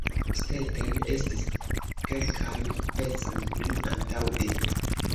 Stetten estis kelkan pecon pli antaŭe.